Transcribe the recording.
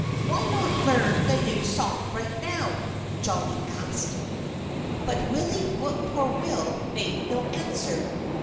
Why not learn the new song right now?" Jolly asked. But Willie Whip poor will made no answer.